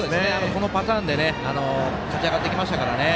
このパターンで勝ち上がってきましたのでね。